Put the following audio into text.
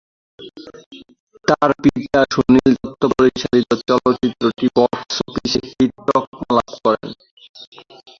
তার পিতা সুনীল দত্ত পরিচালিত চলচ্চিত্রটি বক্স অফিসে হিট তকমা লাভ করেন।